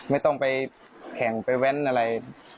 ไม่ต้องไปแข่งไปแว้นอะไร